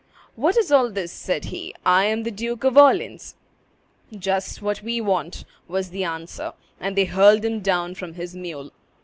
"What is all this?" said he; "I am the Duke of Orleans." "Just what we want," was the answer; and they hurled him down from his mule.